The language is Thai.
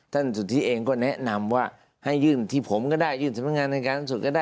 ท่านสุธิก็แนะนำว่าให้ยื่นที่ผมยื่นเป็นทางงานในการสุด